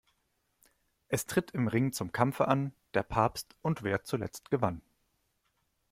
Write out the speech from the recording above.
Es tritt im Ring zum Kampfe an: Der Papst und wer zuletzt gewann.